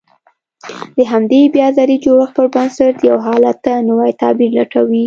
د همدې بيا ځلې جوړښت پر بنسټ يو حالت ته نوی تعبير لټوي.